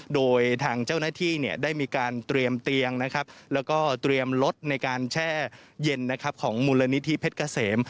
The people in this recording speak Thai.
โดยทางเจ้าหน้าที่ได้มีการเตรียมเตียงนะครับแล้วก็เตรียมรถในการแช่เย็นของมูลนิธิเพชรเกษม